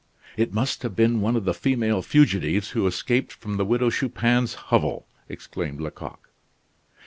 "It must have been one of the female fugitives who escaped from the Widow Chupin's hovel," exclaimed Lecoq.